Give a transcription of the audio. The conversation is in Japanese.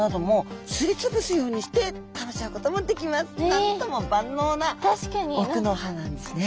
なんとも万能な奥の歯なんですね。